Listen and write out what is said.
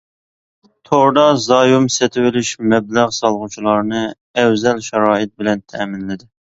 توردا زايوم سېتىۋېلىش مەبلەغ سالغۇچىلارنى ئەۋزەل شارائىت بىلەن تەمىنلىدى.